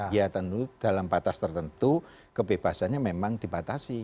ya tentu dalam batas tertentu kebebasannya memang dibatasi